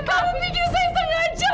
kamu bikin saya sengaja